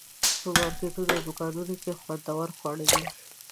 په مارکیټونو او دوکانونو کې خوندور خواړه دي.